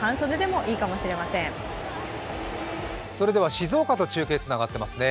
静岡と中継がつながっていますね。